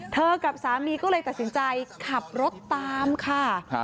กับสามีก็เลยตัดสินใจขับรถตามค่ะ